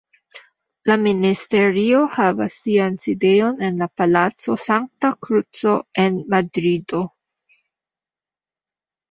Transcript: La Ministerio havas sian sidejon en la Palaco Sankta Kruco, en Madrido.